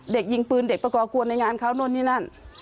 ยิงปืนเด็กประกอบกวนในงานเขานู่นนี่นั่น